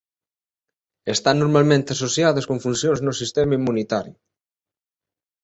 Están normalmente asociadas con funcións no sistema inmunitario.